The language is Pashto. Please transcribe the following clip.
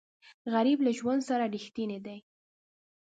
غریب له ژوند سره رښتینی دی